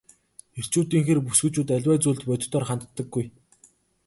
Эрчүүдийнхээр бүсгүйчүүд аливаа зүйлд бодитоор ханддаггүй.